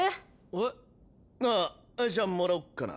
えっ？ああじゃあもらおっかな。